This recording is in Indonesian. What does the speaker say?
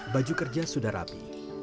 baju kerja sudah rapi